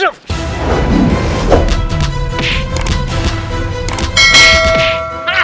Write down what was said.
ini kita menang